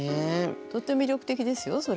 とっても魅力的ですよそれ。